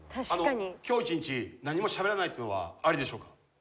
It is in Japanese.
今日１日何もしゃべらないというのはありでしょうか？